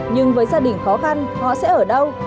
nhưng với gia đình khó khăn họ sẽ ở đâu